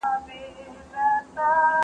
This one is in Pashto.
سوله د بشري او ټولنیز پرمختګ شرط دی.